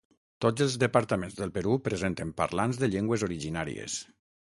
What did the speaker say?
Tots els departaments del Perú presenten parlants de llengües originàries.